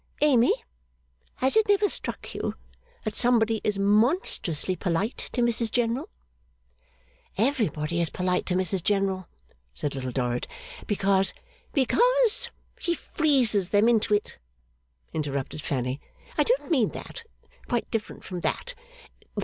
Amy, has it never struck you that somebody is monstrously polite to Mrs General?' 'Everybody is polite to Mrs General,' said Little Dorrit. 'Because ' 'Because she freezes them into it?' interrupted Fanny. 'I don't mean that; quite different from that.